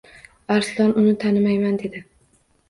Arslon uni tanimayman dedi.